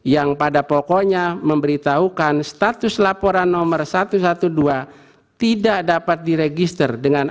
yang pada pokoknya memberitahukan status laporan nomor satu ratus dua belas tidak dapat diregister dengan